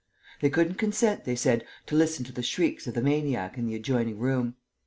They couldn't consent, they said, to listen to the shrieks of the maniac in the adjoining room.